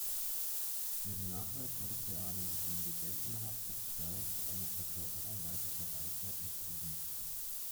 Für die Nachwelt wurde Theano eine legendenhafte Gestalt, eine Verkörperung weiblicher Weisheit und Tugend.